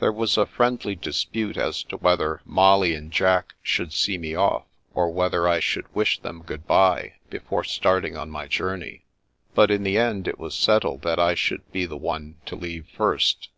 There was a friendly dispute as to whether Molly and Jack should see me oflf, or whether I should wish them good bye before starting on my journey; but in the end it was settled that I should be the one to leave first.